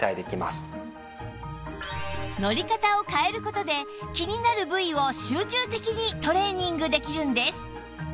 乗り方を変える事で気になる部位を集中的にトレーニングできるんです